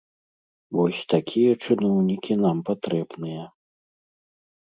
Вось такія чыноўнікі нам патрэбныя!